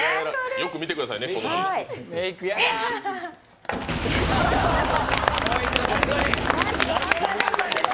よく見てくださいねこのシーン。